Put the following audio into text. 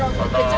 ya apa sekarang